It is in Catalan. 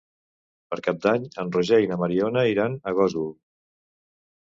Per Cap d'Any en Roger i na Mariona iran a Gósol.